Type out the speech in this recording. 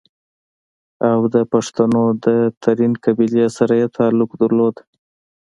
او دَپښتنو دَ ترين قبيلې سره ئې تعلق لرلو